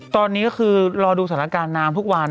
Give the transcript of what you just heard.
ตอนนี้ก็คือรอดูสถานการณ์น้ำทุกวัน